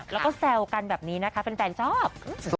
แล้วก็แซวกันแบบนี้นะคะแฟนชอบ